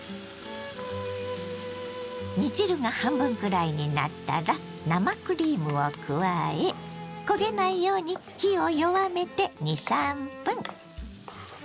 煮汁が半分くらいになったら生クリームを加え焦げないように火を弱めて２３分。